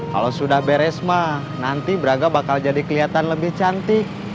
kalau sudah beres mah nanti braga bakal jadi kelihatan lebih cantik